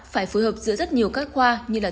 phải phối hợp giữa rất nhiều các khoa như là